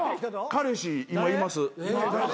彼氏今います。